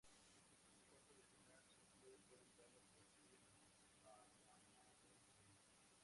En los cuartos de final, su club fue eliminado por el Paranaense.